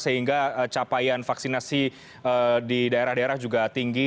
sehingga capaian vaksinasi di daerah daerah juga tinggi